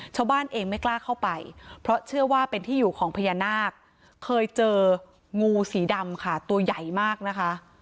ชาวบ้านเองไม่กล้าเข้าไปเพราะเชื่อว่าเป็นที่อยู่ของพญานาคเคยเจองูสีดำค่ะตัวใหญ่มากนะคะ